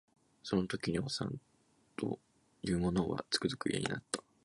その時におさんと言う者はつくづく嫌になった